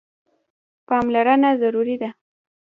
پاملرنه ضروري ده.